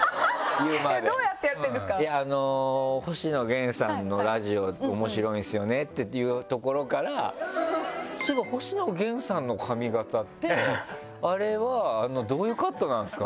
「星野源さんのラジオ面白いんですよね」っていうところから「そういえば星野源さんの髪形ってあれはどういうカットなんですか？」